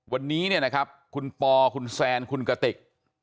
วันนี้เนี่ยนะครับคุณปอคุณแซนคุณกติก